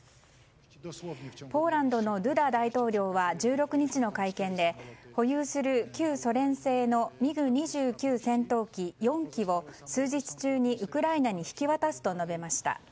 ポーランドのドゥダ大統領は１６日の会見で保有する旧ソ連製のミグ２９戦闘機４機を数日中にウクライナに引き渡すと述べました。